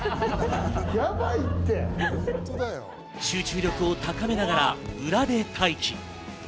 集中力を高めながら、裏で待機。